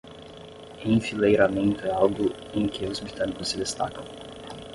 Enfileiramento é algo em que os britânicos se destacam.